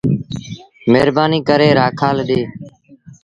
مهربآنيٚٚ ڪري رآکآل ڏي۔